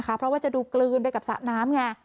เพราะว่าจะดูกลืนไปกับสระน้ำไง